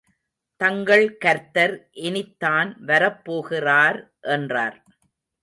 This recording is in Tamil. தங்கள் கர்த்தர் இனித் தான் வரப்போகிறார் என்றார்.